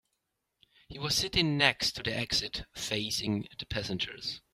He was sitting next to the exit, facing the passengers.